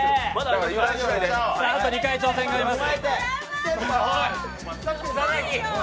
あと２回挑戦があります。